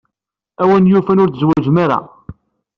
A win yufan, ur tzewwǧem ara.